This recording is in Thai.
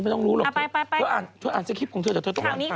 ไปข้างนี้ข้างนี้ของตุ๊กเมนค่ะ